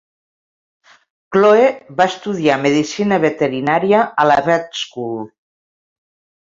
Chloe va estudiar medicina veterinària a la Vet School.